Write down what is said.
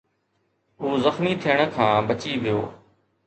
هو زخمي ٿيڻ کان بچي ويو